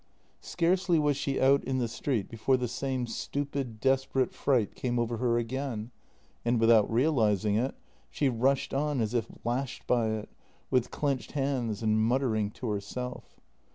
Scarcely was she out in the street before the same stupid, desperate fright came over her again, and, without realizing it, she rushed on as if lashed by it, with clenched hands and mut tering to herself.